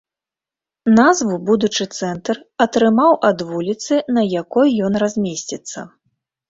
Назву будучы цэнтр атрымаў ад вуліцы, на якой ён размесціцца.